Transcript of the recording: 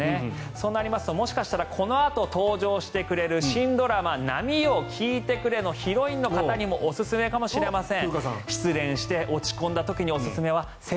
そうなりますと、もしかしたらこのあと登場してくれる新ドラマな「波よ聞いてくれ」のヒロインの方にもおすすめかもしれません。